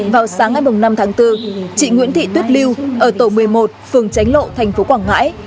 vào sáng ngày năm tháng bốn chị nguyễn thị tuyết liêu ở tổ một mươi một phường tránh lộ thành phố quảng ngãi